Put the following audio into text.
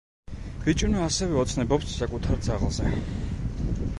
ბიჭუნა ასევე ოცნებობს საკუთარ ძაღლზე.